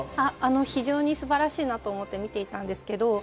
非常に素晴らしいなと思って見ていたんですけど。